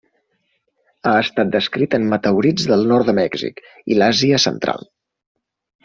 Ha estat descrit en meteorits del nord de Mèxic i l'Àsia central.